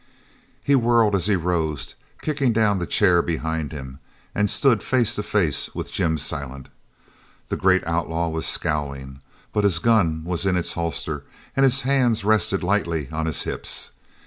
He whirled as he rose, kicking down the chair behind him, and stood face to face with Jim Silent. The great outlaw was scowling; but his gun was in its holster and his hands rested lightly on his hips.